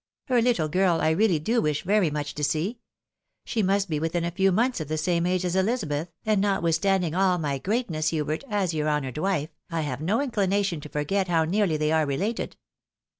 Her little girl I really do wish very much to see. She must be within a few months of the same age as Elizabeth, and notwithstanding all my greatness, Hubert, as your honoured wife, I have no inclination to forget how nearly they are related."